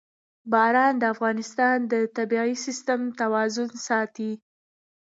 باران د افغانستان د طبعي سیسټم توازن ساتي.